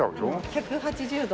１８０度。